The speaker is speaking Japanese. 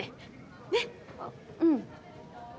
ねっ？あうん。